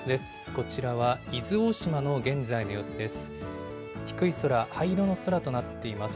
こちらは伊豆大島の現在の様子です。